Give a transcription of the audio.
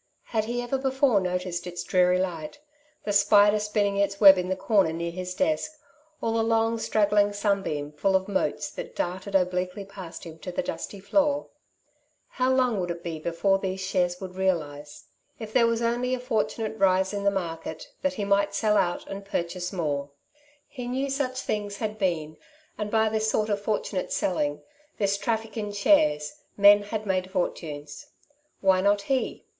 Had he ever before noticed its dreary light — the spider spinning its web in the corner near his desk, or the long straggling sunbeam full of motes that darted obliquely past him to the dusty floor ? How long would it be before these shares would realize ? If there was only a fortunate rise in the market, that he might sell out and purchase more ! He knew such things had been, and by this sort of fortunate selling, this traffic in shares, men had made fortunes. Why not he